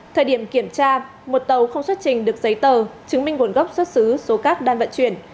thời điểm kiểm tra một tàu không xuất trình được giấy tờ chứng minh nguồn gốc xuất xứ số cát đang vận chuyển